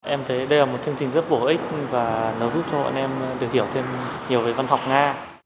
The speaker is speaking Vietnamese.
em thấy đây là một chương trình rất bổ ích và nó giúp cho bọn em được hiểu thêm nhiều về văn học nga